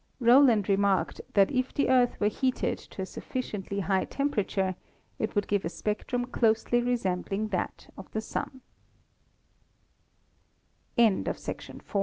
Rowland re marked that if the Earth were heated to a sufficiently high temperature it would give a spectrum closely resembling that of the Su